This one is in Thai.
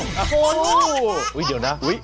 อุ๊ยตันเลยเหรอฮะ